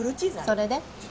それで？